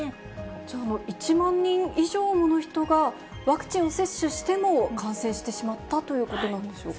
じゃあ、１万人以上もの人が、ワクチンを接種しても感染してしまったということなんでしょうか。